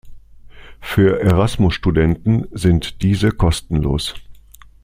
Für Erasmus-Studenten sind diese kostenlos.